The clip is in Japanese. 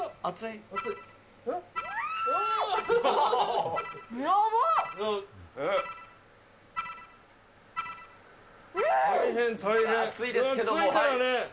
熱いですけども。